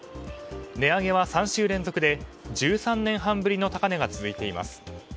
値上げは３週連続で１３年半ぶりの高値が続いています。